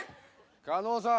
狩野さん。